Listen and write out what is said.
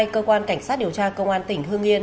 cơ quan cảnh sát điều tra công an tỉnh hương yên